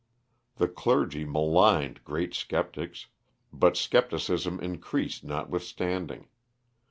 The clergy maligned great sceptics, but scepticism increased notwithstanding.